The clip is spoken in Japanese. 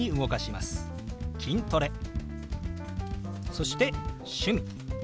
そして「趣味」。